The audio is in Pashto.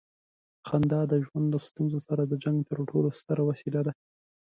خندا د ژوند له ستونزو سره د جنګ تر ټولو ستره وسیله ده.